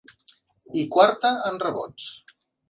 I quarta en rebots.